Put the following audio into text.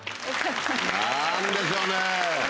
なんでしょうね。